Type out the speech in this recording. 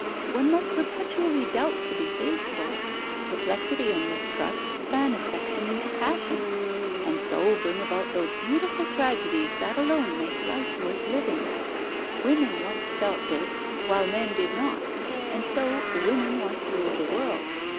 "One must perpetually doubt to be faithful. Perplexity and mistrust fan affection into passion, and so bring about those beautiful tragedies that alone make life worth living. Women once felt this while men did not, and so women once ruled the world.